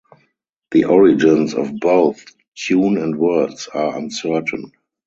The origins of both tune and words are uncertain.